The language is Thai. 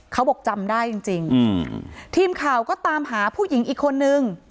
เขาบอกจำได้จริงจริงอืมทีมข่าวก็ตามหาผู้หญิงอีกคนนึง